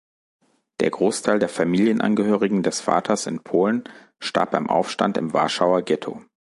Der Großteil der Familienangehörigen des Vaters in Polen starb beim Aufstand im Warschauer Ghetto.